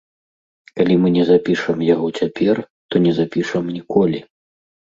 Калі мы не запішам яго цяпер, то не запішам ніколі.